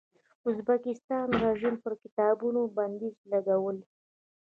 ازبکستان رژیم پر کتابونو بندیز لګولی.